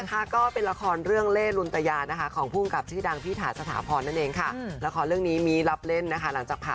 ไปบ้านนะคะก็เป็นละครเรื่องเล่นลุลตรยานนะคะของผู้กลับชื่อดังพิษฐานสถาพรนั่นเองคะของเรื่องนี้มีรับเล่นนะคะ